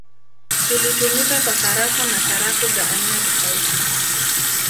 Ilitumika kwa sarafu na sarafu za aina tofauti.